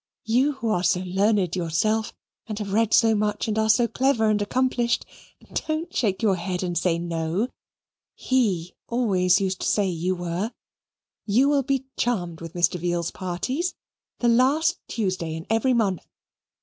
You who are so learned yourself, and have read so much, and are so clever and accomplished don't shake your head and say no HE always used to say you were you will be charmed with Mr. Veal's parties. The last Tuesday in every month.